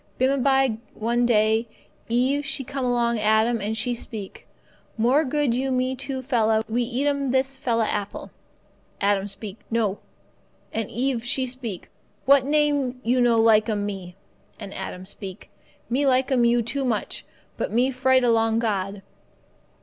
Bimeby, one day, Eve she come along Adam, and she speak, 'More good you me two fella we eat 'm this fella apple.' Adam he speak, 'No,' and Eve she speak, 'What name you no like 'm me?' And Adam he speak, 'Me like 'm you too much, but me fright along God.